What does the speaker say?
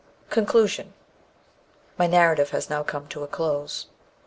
CHAPTER XXIX CONCLUSION MY narrative has now come to a close.